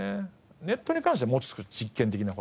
ネットに関してはもうちょっと実験的な事。